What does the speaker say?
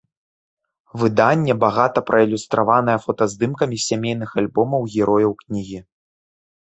Выданне багата праілюстраваная фотаздымкамі з сямейных альбомаў герояў кнігі.